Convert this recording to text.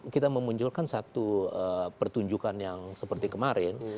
kita memunculkan satu pertunjukan yang seperti kemarin